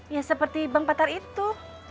ya seperti bank patar itu